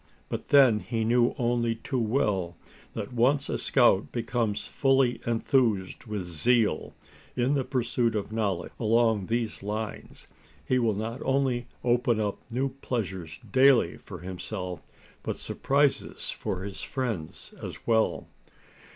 But then, he knew only too well that once a scout becomes fully enthused with zeal in the pursuit of knowledge along these lines he will not only open up new pleasures daily for himself, but surprises for his friends as well.